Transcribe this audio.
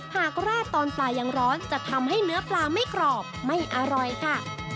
ราดตอนปลายังร้อนจะทำให้เนื้อปลาไม่กรอบไม่อร่อยค่ะ